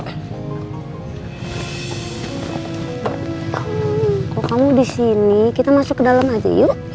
kalo kamu disini kita masuk ke dalam aja yuk